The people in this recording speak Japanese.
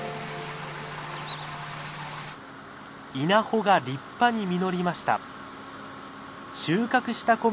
稲穂が立派に実りました。